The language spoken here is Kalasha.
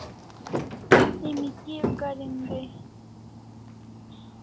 Emi kia karin dai?